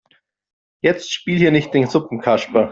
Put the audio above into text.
Jetzt spiel hier nicht den Suppenkasper.